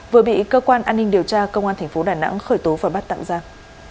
vừa bị cơ quan an ninh điều tra công an thành phố đà nẵng khởi tố và bắt tạm giam